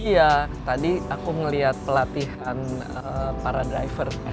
iya tadi aku ngeliat pelatihan para driver